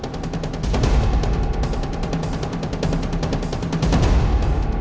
nanti malem aku balikin